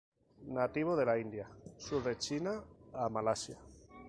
Nativo de la India, sur de China a Malasia